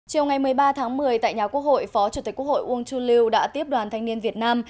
chiều ngày một mươi ba tháng một mươi tại nhà quốc hội phó chủ tịch quốc hội uông chu lưu đã tiếp đoàn thanh niên việt nam